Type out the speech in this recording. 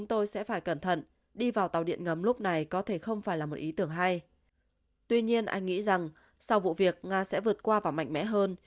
tuy nhiên anh nghĩ rằng sau vụ việc nga sẽ vượt qua và mạnh mẽ hơn